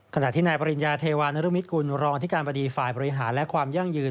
ขณะที่นายปริญญาเทวานรุมิตกุลรองอธิการบดีฝ่ายบริหารและความยั่งยืน